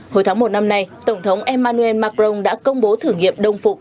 hồi tháng một năm nay tổng thống emmanuel macron đã công bố thử nghiệm đồng phục